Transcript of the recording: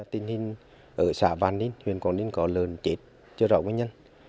tình hình ở xã vạn ninh huyện quảng ninh có lợn chết chưa rõ nguyên nhân